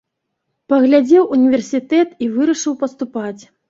Паглядзеў універсітэт і вырашыў паступаць.